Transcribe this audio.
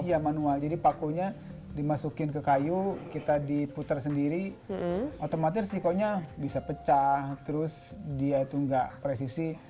iya manual jadi pakunya dimasukin ke kayu kita diputer sendiri otomatis sikonya bisa pecah terus dia itu nggak presisi